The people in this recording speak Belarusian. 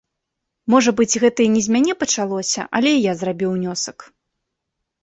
Можа быць, гэта і не з мяне пачалося, але і я зрабіў унёсак.